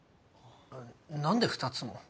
何で２つも？